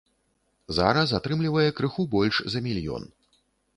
Зараз атрымлівае крыху больш за мільён.